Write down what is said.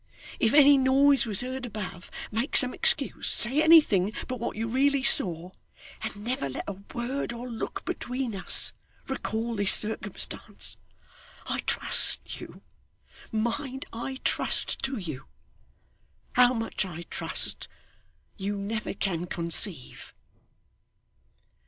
If any noise was heard above, make some excuse say anything but what you really saw, and never let a word or look between us, recall this circumstance. I trust to you. Mind, I trust to you. How much I trust, you never can conceive.